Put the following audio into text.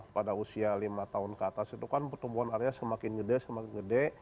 pada usia lima tahun ke atas itu kan pertumbuhan arya semakin gede semakin gede